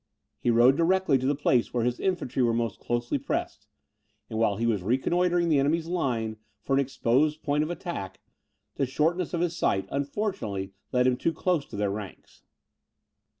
He rode directly to the place where his infantry were most closely pressed, and while he was reconnoitring the enemy's line for an exposed point of attack, the shortness of his sight unfortunately led him too close to their ranks.